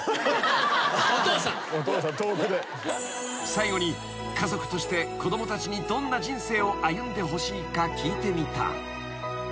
［最後に家族として子供たちにどんな人生を歩んでほしいか聞いてみた］